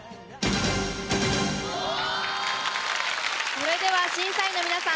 それでは審査員の皆さん